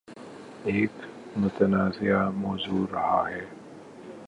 ایک متنازعہ موضوع رہا ہے